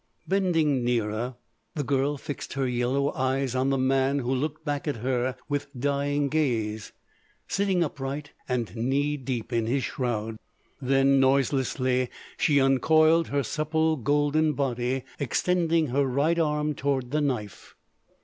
Bending nearer, the girl fixed her yellow eyes on the man who looked back at her with dying gaze, sitting upright and knee deep in his shroud. Then, noiselessly she uncoiled her supple golden body, extending her right arm toward the knife.